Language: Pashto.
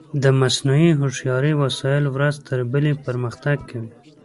د مصنوعي هوښیارۍ وسایل ورځ تر بلې پرمختګ کوي.